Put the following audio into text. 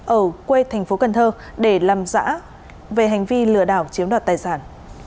ở quê thành phố cần thơ để làm rõ về hành vi lừa đảo chiếm đoạt tài sản